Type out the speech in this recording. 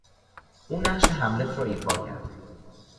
او نقش هملت را ایفا کرد.